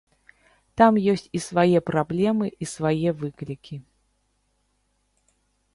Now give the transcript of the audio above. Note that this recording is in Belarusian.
Там ёсць і свае праблемы, і свае выклікі.